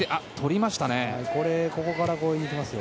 ここから強引に行きますよ。